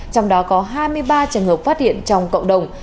trong đó có hai mươi ba trường hợp phát hiện trong cộng đồng